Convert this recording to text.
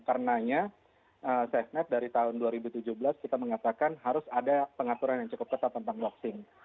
karenanya saya snap dari tahun dua ribu tujuh belas kita mengatakan harus ada pengaturan yang cukup keras tentang doxing